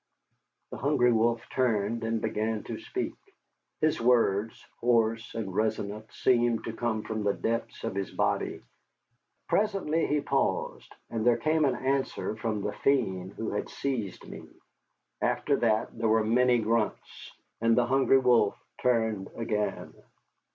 The Hungry Wolf turned, and began to speak. His words, hoarse and resonant, seemed to come from the depths of his body. Presently he paused, and there came an answer from the fiend who had seized me. After that there were many grunts, and the Hungry Wolf turned again.